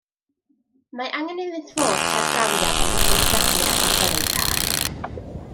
Mae angen iddynt fod heb drawiad am beth amser cyn y gallant yrru car.